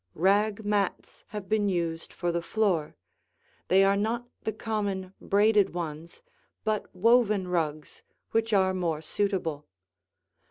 Rag mats have been used for the floor; they are not the common braided ones but woven rugs which are more suitable.